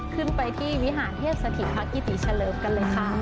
ขึ้นไปที่วิหารเทพสถิตภักดิติเฉลิมกันเลยค่ะ